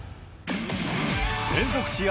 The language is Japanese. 連続試合